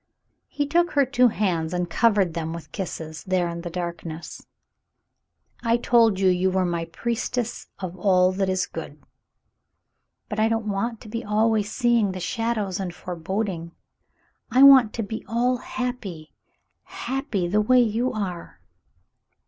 He took her two hands and covered them \\ath kisses, there in the darkness. "I told you you were my priestess of all that is good." 206 The Mountain Girl But I don't want to be always seeing the shadows and foreboding. I want to be all happy — happy 7— the way you are."